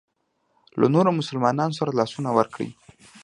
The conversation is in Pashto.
له نورو مسلمانانو سره لاسونه ورکړي.